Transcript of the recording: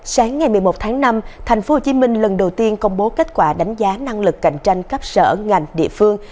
sáng ngày một mươi một tháng năm tp hcm lần đầu tiên công bố kết quả đánh giá năng lực cạnh tranh cấp sở ngành địa phương